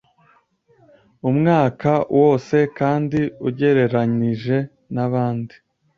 umwaka wose kandi ugereranije nabandi